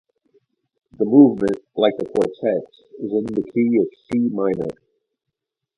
The movement, like the quartet, is in the key of C minor.